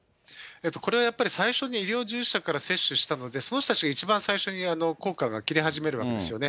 これ、最初に医療従事者から接種したので、その人たちが一番最初に効果が切れ始めるわけですよね。